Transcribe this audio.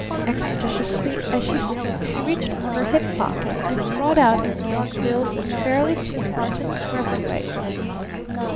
Expeditiously as she spoke she reached for her hip pocket and brought out a roll of bills that fairly took Barton's breath away.